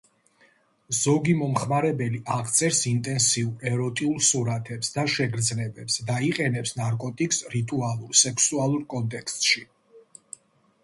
ზოგი მომხმარებელი აღწერს ინტენსიურ ეროტიულ სურათებს და შეგრძნებებს და იყენებს ნარკოტიკს რიტუალურ სექსუალურ კონტექსტში.